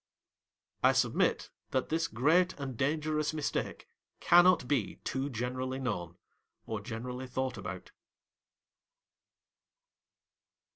I submit that this great and dangerous mistake cannot be too generally known or generally thought about.